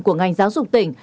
của ngành giáo dục tỉnh